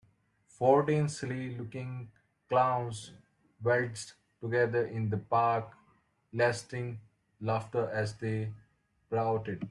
Fourteen silly looking clowns waltzed together in the park eliciting laughter as they pirouetted.